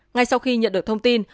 ngay sau khi nhận được thông tin